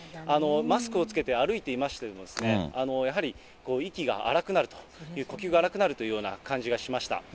マスクを着けて歩いていましてもですね、やはり息が荒くなると、呼吸が荒くなるという感じがしました。